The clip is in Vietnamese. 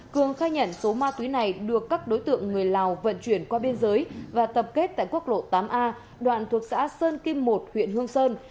cường khai nhận số ma túy này được các đối tượng người lào vận chuyển qua biên giới và tập kết tại quốc lộ tám a đoạn thuộc xã sơn kim một huyện hương sơn